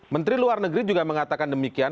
menteri luar negeri juga mengatakan demikian